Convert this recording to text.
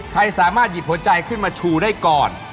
ใครสามารถหยิบหัวใจขึ้นมาชูได้ก่อน